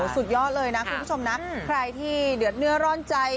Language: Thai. สุดยอดเลยนะคุณผู้ชมนะใครที่เดือดเนื้อร่อนใจ